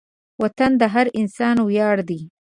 وطن د هر انسان ویاړ دی.